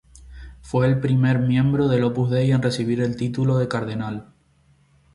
Fue el primer miembro del Opus Dei en recibir el título de Cardenal.